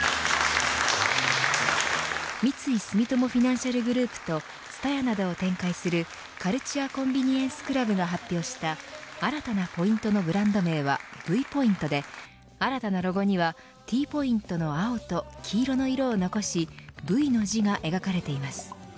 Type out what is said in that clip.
三井住友フィナンシャルグループとＴＳＵＴＡＹＡなどを展開するカルチュア・コンビニエンス・クラブが発表した新たなポイントのブランド名はＶポイントで新たなロゴにはＴポイントの青と黄色の色を残しＶの字が描かれています。